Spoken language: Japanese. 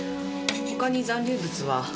他に残留物は？